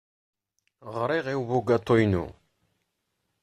Ɣriɣ i ubugaṭu-inu.